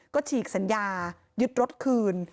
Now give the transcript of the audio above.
ก็ฉีกสัญญายึดรถคืน